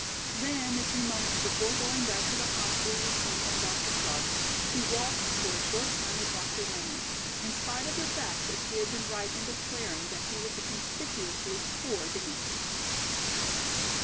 Then, a few moments before going back to the hospital with Sonya and Dr. Clark, she waltzed for a short time with Dr. Raymond, in spite of the fact that she had been right in declaring that he was a conspicuously poor dancer.